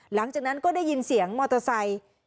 หลังจากนั้นก็ได้ยินเสียงมอเตอร์ไซค์